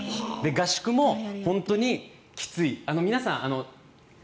合宿も本当にきつい。